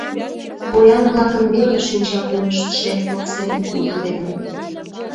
Поян-влакын веле шинчапунышт шем пыл семын нугыдеме.